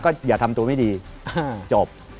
ก็อย่าทำตัวไม่ดีจบ